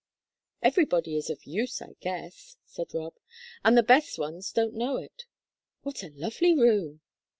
"Everybody is of use, I guess," said Rob. "And the best ones don't know it. What a lovely room!"